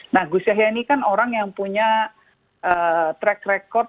nah gus yahya ini kan orang yang punya track record